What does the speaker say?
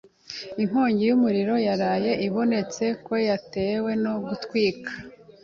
Inkongi y'umuriro yaraye ibonetse ko yatewe no gutwika.